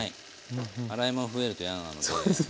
洗い物増えると嫌なので。